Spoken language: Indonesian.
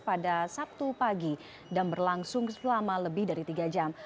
pada sabtu pagi dan berlangsung selama lebih dari tiga jam